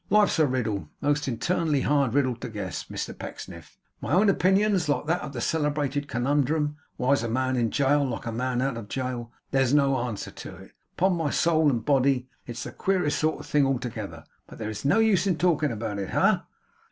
Life's a riddle; a most infernally hard riddle to guess, Mr Pecksniff. My own opinions, that like that celebrated conundrum, "Why's a man in jail like a man out of jail?" there's no answer to it. Upon my soul and body, it's the queerest sort of thing altogether but there's no use in talking about it. Ha! Ha!